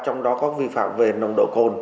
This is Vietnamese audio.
trong đó có vi phạm về nồng độ cồn